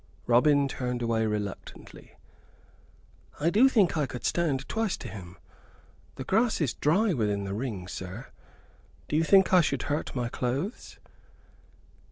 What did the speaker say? Robin turned away reluctantly. "I do think I could stand twice to him. The grass is dry within the ring, sir do you think I should hurt my clothes?"